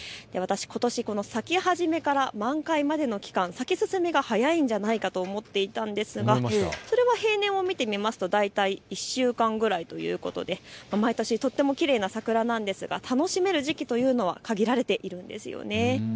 ことし咲き始めから満開までの期間、咲き進みが早いんじゃないかと思っていたんですが平年を見てみますと大体１週間ぐらいということで毎年とてもきれいな桜なんですがこの楽しめる時期というのは限られているんですね。